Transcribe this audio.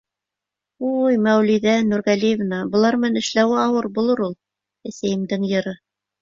— Уй, Мәүлиҙә Нурғәлиевна, былар менән эшләүе ауыр булыр ул. Әсәйемдең йыры